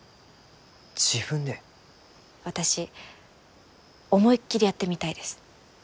私思いっきりやってみたいです。